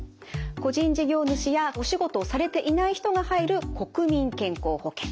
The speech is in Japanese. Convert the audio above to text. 個人事業主やお仕事をされていない人が入る国民健康保険。